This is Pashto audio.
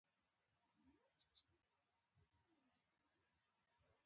الماري کې بوټان هم ایښودل کېږي